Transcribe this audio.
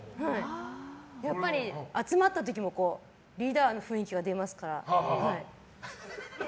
やっぱり集まった時もリーダーの雰囲気が出ますから。